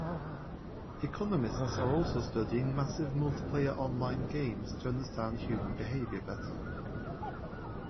Economists are also studying massive multiplayer online games to understand human behavior better.